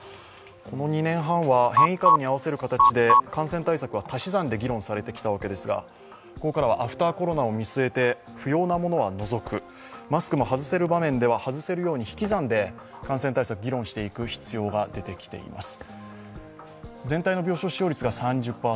この２年半は変異株に合わせる形で感染対策は足し算で議論されてきたわけですが、ここからはアフター・コロナを見据えて、不要なものは除く、マスクも外せる場面では外せるように引き算で感染対策、議論していく必要があります。